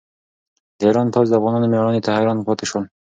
د ایران پوځ د افغانانو مېړانې ته حیران پاتې شو.